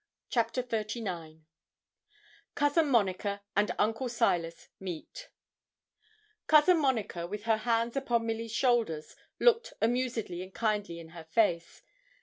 CHAPTER XXXIX COUSIN MONICA AND UNCLE SILAS MEET Cousin Monica, with her hands upon Milly's shoulders, looked amusedly and kindly in her face.